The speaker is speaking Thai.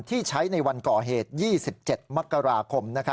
ที่ใช้ในวันก่อเหตุ๒๗มกราคม